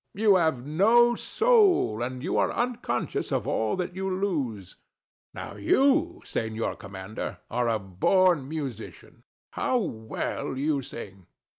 You have no soul; and you are unconscious of all that you lose. Now you, Senor Commander, are a born musician. How well you sing!